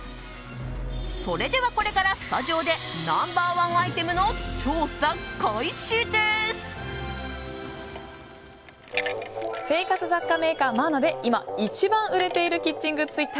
それではこれからスタジオでナンバー１アイテムの生活雑貨メーカー、マーナで今、一番売れているキッチングッズ